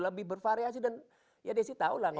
lebih bervariasi dan ya desi tahu lah